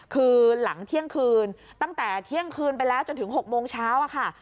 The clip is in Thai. คือหลังเที่ยงคืนตั้งแต่เที่ยงคืนไปแล้วจนถึง๖โมงเช้าค่ะ